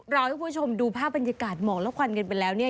ให้คุณผู้ชมดูภาพบรรยากาศหมอกและควันกันไปแล้วเนี่ย